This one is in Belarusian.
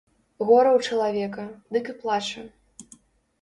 Гора ў чалавека, дык і плача.